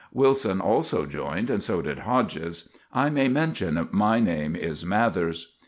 Wilson also joined, and so did Hodges. I may mention my name is Mathers.